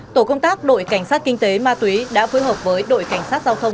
tổ công tác đội cảnh sát kinh tế ma túy đã phối hợp với đội cảnh sát giao thông